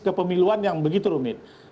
kepemiluan yang begitu rumit